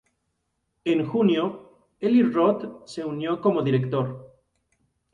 En junio, Eli Roth se unió como director.